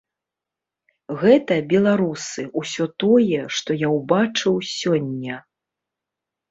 Гэта, беларусы, усё тое, што я ўбачыў сёння.